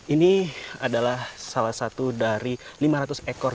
ini adalah salah satu dari lima ratus ekor